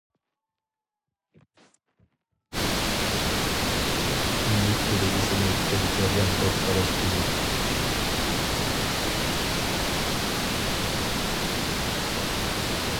كىملىك كىرىزىسىنى بىر جەريان دەپ قاراش كېرەك.